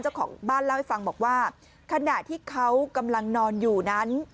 เจ้าของบ้านเล่าให้ฟังบอกว่าขณะที่เขากำลังนอนอยู่นั้น